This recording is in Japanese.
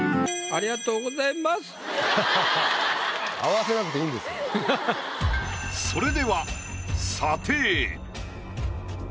ありがとうございます先生。